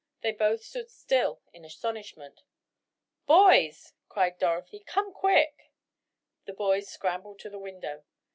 They both stood still in astonishment. "Boys!" cried Dorothy, "come quick!" The boys scrambled to the window.